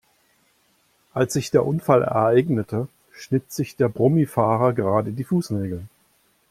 Als sich der Unfall ereignete, schnitt sich der Brummi-Fahrer gerade die Fußnägel.